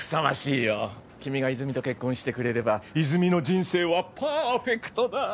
君が泉と結婚してくれれば泉の人生はパーフェクトだ！